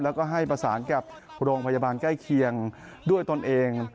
แล้วก็ให้ประสานกับโรงพยาบาลใกล้เคียงด้วยตนเอง